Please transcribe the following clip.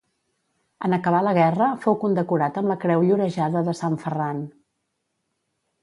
En acabar la guerra fou condecorat amb la Creu Llorejada de Sant Ferran.